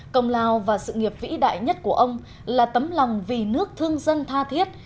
cồng lào và sự nghiệp vĩ đại nhất của ông là tấm lòng vì nước thương dân tha thiết